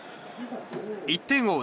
１点を追う